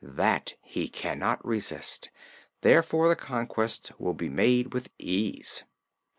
That he cannot resist; therefore the conquest will be made with ease."